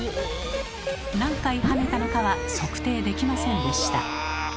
何回跳ねたのかは測定できませんでした。